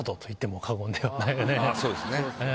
そうですね。